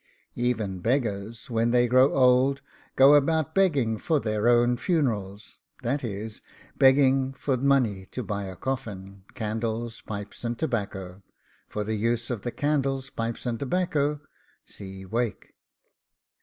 Even beggars, when they grow old, go about begging FOR THEIR OWN FUNERALS that is, begging for money to buy a coffin, candles, pipes, and tobacco. For the use of the candles, pipes, and tobacco, see WAKE.